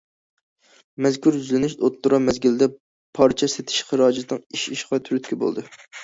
مەزكۇر يۈزلىنىش ئوتتۇرا مەزگىلدە پارچە سېتىش خىراجىتىنىڭ ئېشىشىغا تۈرتكە بولىدۇ.